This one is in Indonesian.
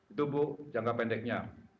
itu bu jangka pendeknya